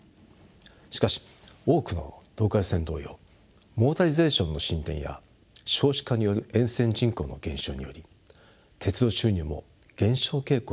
しかし多くのローカル線同様モータリゼーションの進展や少子化による沿線人口の減少により鉄道収入も減少傾向にあります。